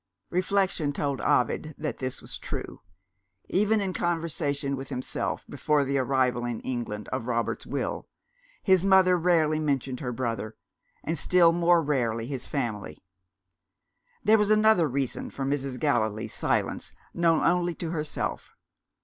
Reflection told Ovid that this was true. Even in conversation with himself (before the arrival in England of Robert's Will), his mother rarely mentioned her brother and still more rarely his family. There was another reason for Mrs. Gallilee's silence, known only to herself.